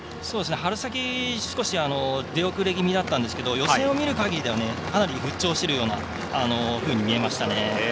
春先、少し出遅れ気味だったんですけど予選を見るかぎりかなり復調しているように見えましたね。